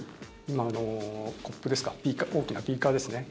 今、コップですか大きなビーカーですね。